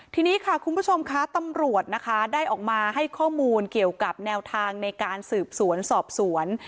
ทีนี้ค่ะคุณผู้ชมคะตำรวจนะคะได้ออกมาให้ข้อมูลเกี่ยวกับแนวทางในการสืบสวนสอบสวน